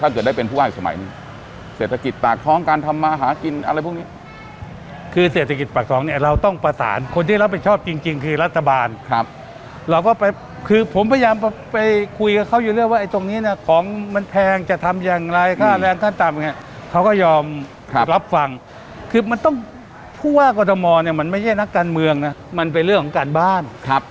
ก็ใช่หนักการเมืองนะมันไปเรื่องของการบ้าน